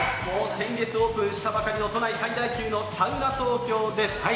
先月オープンしたばかりの都内最大級のサウナ東京です。